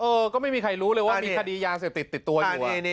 เออก็ไม่มีใครรู้เลยว่ามีคดียาเสพติดติดตัวอยู่นี่